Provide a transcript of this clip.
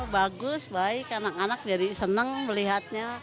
bagus baik anak anak jadi senang melihatnya